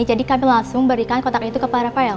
jadi kami langsung berikan kotak itu ke pak rafael